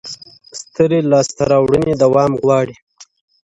سترې لاسته راوړنې دوام غواړي،